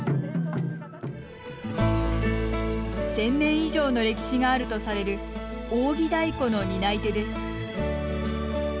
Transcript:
１０００年以上の歴史があるとされる仰木太鼓の担い手です。